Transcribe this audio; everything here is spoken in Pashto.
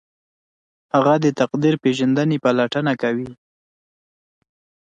هغه د تقدیر پیژندنې پلټنه کوي.